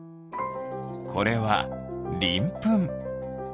これはりんぷん。